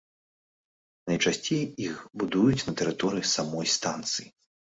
Найчасцей іх будуюць на тэрыторыі самой станцыі.